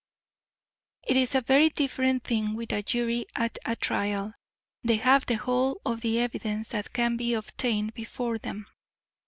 It's a very different thing with a jury at a trial; they have the whole of the evidence that can be obtained before them.